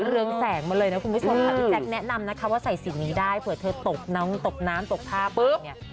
เรืองแสงมาเลยนะคุณผู้ชมค่ะพี่แจ๊คแนะนำนะคะว่าใส่สิ่งนี้ได้เผื่อเธอตกน้องตกน้ำตกท่าไปเนี่ย